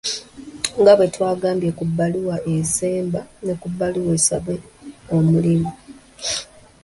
Nga bwe twagambye ku bbaluwa esemba ne ku bbaluwa esaba omulimu.